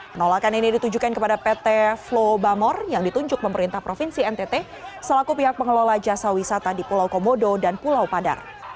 penolakan ini ditujukan kepada pt flow bamor yang ditunjuk pemerintah provinsi ntt selaku pihak pengelola jasa wisata di pulau komodo dan pulau padar